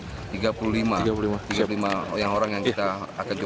tiga puluh lima orang yang kita akan jemput hari ini